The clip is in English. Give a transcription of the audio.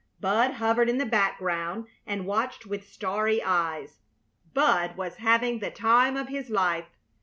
Bud hovered in the background and watched with starry eyes. Bud was having the time of his life.